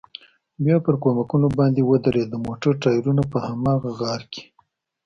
بیا پر کومکونو باندې ودرېد، د موټر ټایرونه په هماغه غار کې.